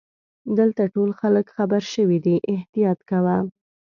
دلته ټول خلګ خبرشوي دي احتیاط کوه.